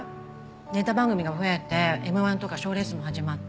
ネタ番組が増えて『Ｍ−１』とか賞レースも始まって。